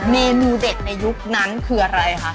เมนูเด็ดในยุคนั้นคืออะไรคะ